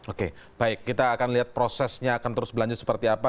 oke baik kita akan lihat prosesnya akan terus berlanjut seperti apa